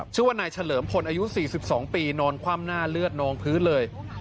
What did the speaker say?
ชื่อว่านายเฉลิมพลอายุ๔๒ปีนอนคว่ำหน้าเลือดนองพื้นเลย